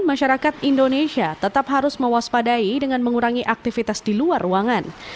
masyarakat indonesia tetap harus mewaspadai dengan mengurangi aktivitas di luar ruangan